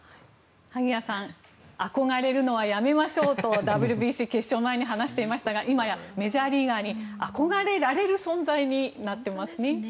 萩谷さん憧れるのはやめましょうとＷＢＣの決勝前に話していましたが今やメジャーリーガーに憧れられる存在になっていますね。